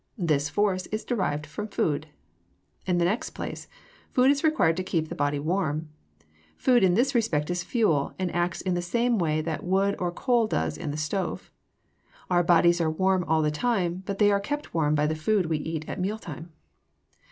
This force is derived from food. In the next place, food is required to keep the body warm. Food in this respect is fuel, and acts in the same way that wood or coal does in the stove. Our bodies are warm all the time, and they are kept warm by the food we eat at mealtime.